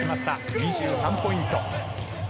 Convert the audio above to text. ２３ポイント。